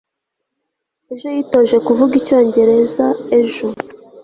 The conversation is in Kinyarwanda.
ejo yitoje kuvuga icyongereza ejo